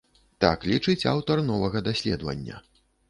Так лічыць аўтар новага даследавання.